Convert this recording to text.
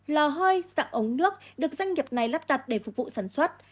lò hơi dạng ống nước được doanh nghiệp này lắp đặt để phục vụ sản xuất